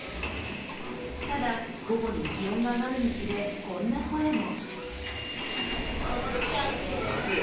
ただ、午後に気温が上がるにつれこんな声も。